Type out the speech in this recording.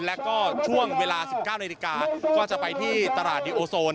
แล้วก็ช่วงเวลา๑๙นาฬิกาก็จะไปที่ตลาดดิโอโซน